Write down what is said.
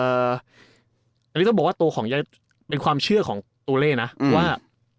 อันนี้จะบอกว่าตัวของยายเป็นความเชื่อของตูเล่นะว่า